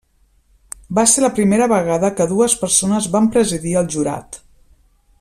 Va ser la primera vegada que dues persones van presidir el jurat.